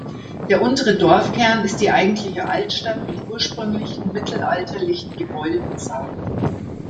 Der untere Dorfkern ist die eigentliche Altstadt mit ursprünglichen mittelalterlichen Gebäudefassaden.